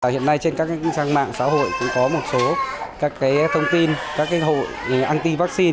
hiện nay trên các trang mạng xã hội cũng có một số các thông tin các hội anti vaccine